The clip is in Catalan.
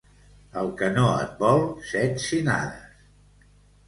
Al que no et vol, set sinades.